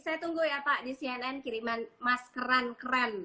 saya tunggu ya pak di cnn kiriman maskeran keren